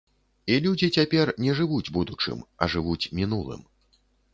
І людзі цяпер не жывуць будучым, а жывуць мінулым.